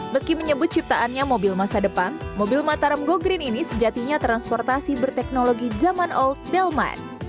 meski menyebut ciptaannya mobil masa depan mobil mataram go green ini sejatinya transportasi berteknologi zaman old delman